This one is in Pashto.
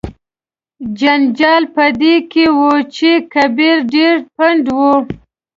جنجال په دې کې و چې کبیر ډیر پنډ و.